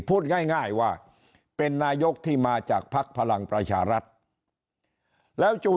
พูดง่ายว่าเป็นนายกที่มาจากภักดิ์พลังประชารัฐแล้วจู่